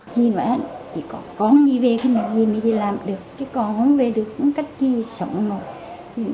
chị nói chỉ có con đi về cái này thì làm được cái con không về được cũng cách kia sống rồi